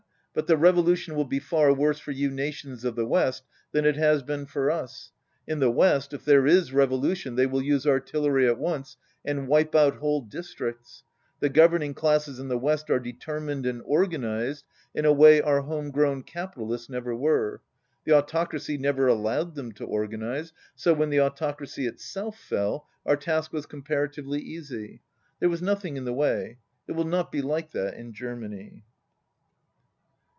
But the revolution will be far worse for you nations of the west than it has been for us. In the west, if there is revolution, they will use artillery at once, and wipe out whole districts. The governing classes in the west are determined and organized in a way our home grown capitalists never were. The Autocracy never allowed them to organize, so, when the Autocracy itself fell, our task was com paratively easy. There was nothing in the way. It will not be like that in Germany."